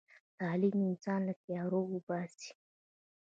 تعلیم انسان له تیارو وباسي.